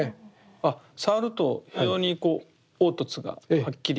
あっ触ると非常にこう凹凸がはっきり。